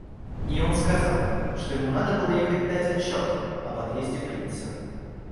И он сказал, что ему надо было ехать дать отчет об отъезде принца.